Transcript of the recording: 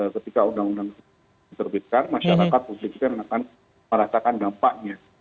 ketika undang undang diterbitkan masyarakat publik juga akan merasakan dampaknya